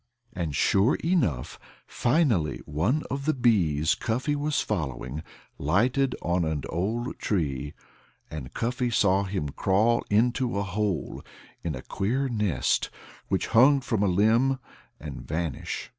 And sure enough, finally one of the bees Cuffy was following lighted on an old tree, and Cuffy saw him crawl into a hole in a queer nest which hung from a limb, and vanish.